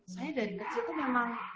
saya dari kecil itu memang